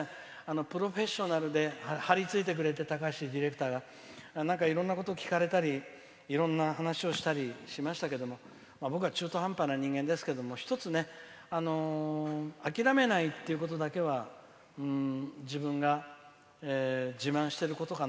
「プロフェッショナル」で張り付いてくれてた高橋ディレクターがなんかいろんなことを聞かれたりいろんな話をしたりしましたけど僕は中途半端な人間ですけど一つ諦めないっていうことだけは自分が自慢してることかな。